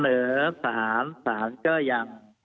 เสนอสารสารเจ้ายับ